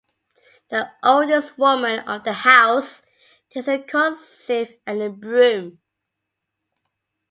The oldest woman of the house takes a corn-sieve and a broom.